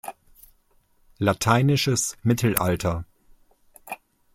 Lateinisches Mittelalter.